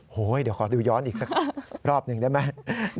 เดี๋ยวขอดูย้อนอีกสักรอบหนึ่งได้ไหม